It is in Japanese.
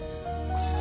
クソ。